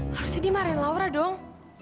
harusnya dia marahin laura dong